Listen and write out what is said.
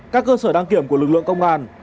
các cơ sở đăng kiểm của lực lượng công an